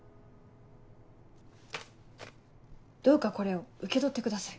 どうかこれを受け取ってください。